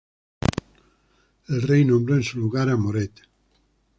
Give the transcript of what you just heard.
El rey nombró en su lugar a Moret.